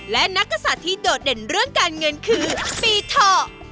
และนักกษัตริย์ที่โดดเด่นเรื่องการเงินคือปีเถาะ